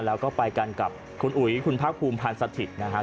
แล้วก็ไปกันกับคุณอุ๋ยคุณภาคภูมิพันธ์สถิตย์นะครับ